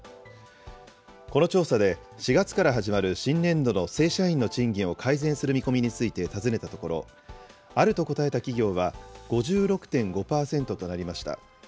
この調査で、４月から始まる新年度の正社員の賃金を改善する見込みについて尋ねたところ、あると答えた企業は５６．５％となりました。